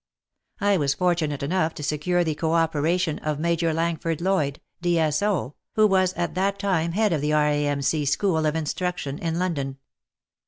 I was fortunate enough to secure the co operation of Major Langford Lloyd, D.S.O., who was at that time head of the R.A.M.C. School of WAR AND WOMEN ii Instruction in London.